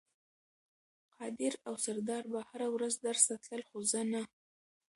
قادر او سردار به هره ورځ درس ته تلل خو زه نه.